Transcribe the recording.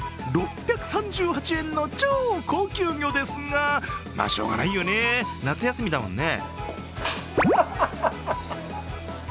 ６３８円の超高級魚ですがまあ、しょうがないよね夏休みだもんね。